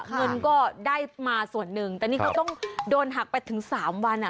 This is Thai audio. เงินก็ได้มาส่วนหนึ่งแต่นี่เขาต้องโดนหักไปถึงสามวันอ่ะ